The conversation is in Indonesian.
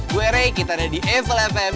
gue ray kita ada di evofm make you together